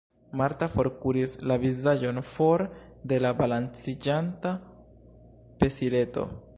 Marta forturnis la vizaĝon for de la balanciĝanta pesileto.